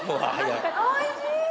おいしい！